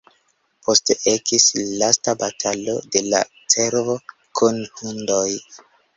Poste ekis lasta batalo de la cervo kun hundoj.